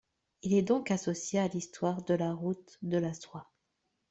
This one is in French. Il est donc associé à l'histoire de la Route de la soie.